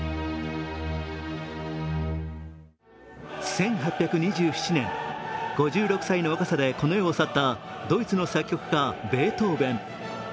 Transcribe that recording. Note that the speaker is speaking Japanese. １８２７年、５６歳の若さでこの世を去ったドイツの作曲家・ベートーベン。